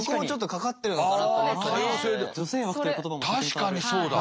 確かにそうだ！